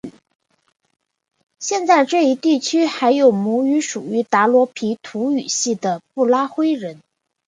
现在这一地区还有母语属于达罗毗荼语系的布拉灰人。